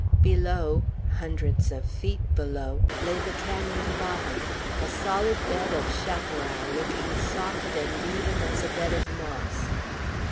Below hundreds of feet below lay the canon bottom, a solid bed of chaparral, looking soft and even as a bed of moss.